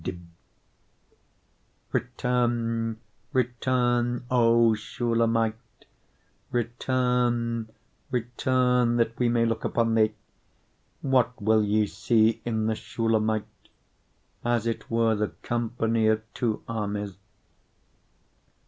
6:13 Return, return, O Shulamite; return, return, that we may look upon thee. What will ye see in the Shulamite? As it were the company of two armies.